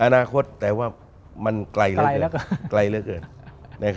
อนาคตแต่ว่ามันไกลเหลือเกิน